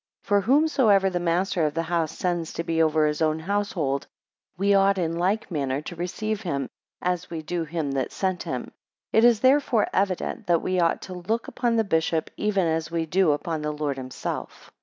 For whomsoever the master of the house sends to be over his own household, we ought in like manner to receive him, as we do him that sent him. It is therefore evident that we ought to look upon the bishop, even as we do upon the Lord himself.